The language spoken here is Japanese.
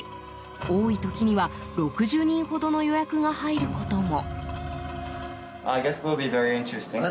多い時には６０人ほどの予約が入ることも。